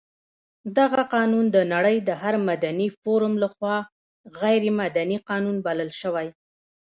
دغه قانون د نړۍ د هر مدني فورم لخوا غیر مدني قانون بلل شوی.